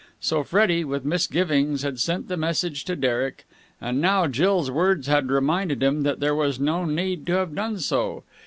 So Freddie, with misgivings, had sent the message to Derek, and now Jill's words had reminded him that there was no need to have done so.